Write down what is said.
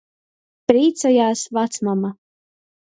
Prīcojās vacmama.